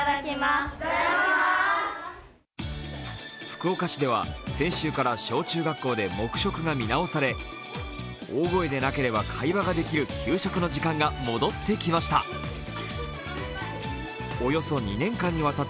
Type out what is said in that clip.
福岡市では先週から小中学校で黙食が見直され大声でなければ会話ができる給食の時間が戻ってきました。